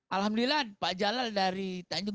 alhamdulillah pak jalal dari tanjung